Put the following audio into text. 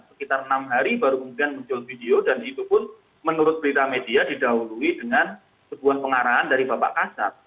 sekitar enam hari baru kemudian muncul video dan itu pun menurut berita media didahului dengan sebuah pengarahan dari bapak kasat